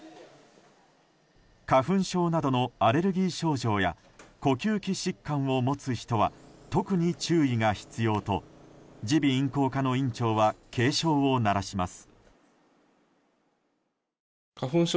花粉症などのアレルギー症状や呼吸器疾患を持つ人は特に注意が必要と耳鼻咽喉科の院長は警鐘を鳴らします。